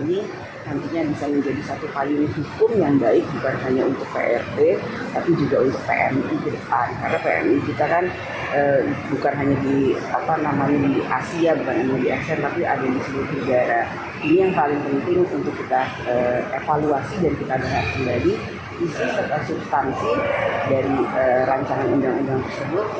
ini yang paling penting untuk kita evaluasi dan kita berhasil jadi isi serta substansi dari rancangan undang undang tersebut